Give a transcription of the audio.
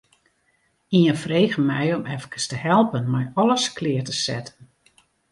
Ien frege my om efkes te helpen mei alles klear te setten.